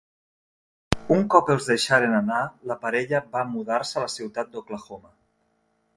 Un cop els deixaren anar, la parella va mudar-se a la ciutat d'Oklahoma.